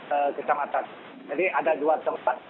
karena di tempat ini di kantor kecamatan